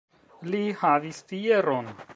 Li havis fieron!